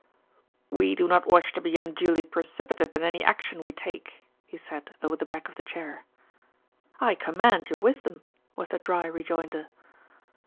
"We do not wish to be unduly precipitate in any action we take," he said over the back of the chair. "I commend your wisdom," was the dry rejoinder.